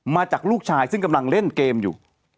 มาจากลูกชายซึ่งกำลังเล่นเกมอยู่